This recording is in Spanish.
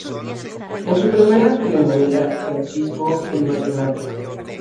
En su primera telenovela, "Francisco el matemático".